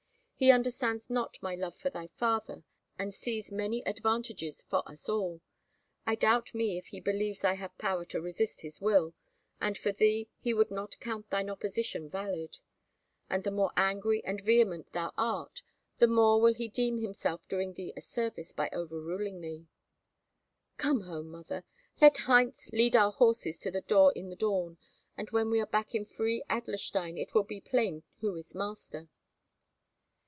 He understands not my love for thy father, and sees many advantages for us all. I doubt me if he believes I have power to resist his will, and for thee, he would not count thine opposition valid. And the more angry and vehement thou art, the more will he deem himself doing thee a service by overruling thee." "Come home, mother. Let Heinz lead our horses to the door in the dawn, and when we are back in free Adlerstein it will be plain who is master."